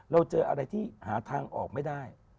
เราเจออะไรที่หาทางออกไม่ได้